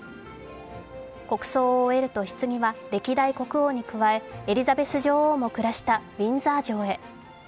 国葬を終えるとひつぎは歴代国王に加えエリザベス女王も暮らしたウィンザー城へ。